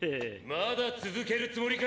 まだ続けるつもりか？